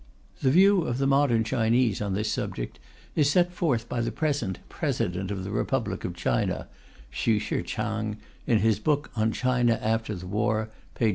The view of the modern Chinese on this subject is set forth by the present President of the Republic of China, Hsu Shi chang, in his book on China after the War, pp.